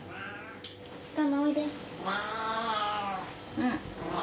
うん。